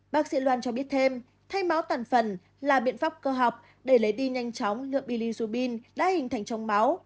bác sĩ loan cho biết thêm thay máu tàn phần là biện pháp cơ học để lấy đi nhanh chóng lượng billysubin đã hình thành trong máu